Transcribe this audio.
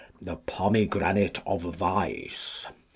The Pomegranate of Vice.